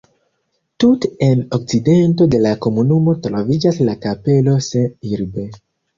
Tute en okcidento de la komunumo troviĝas la kapelo St-Urbain.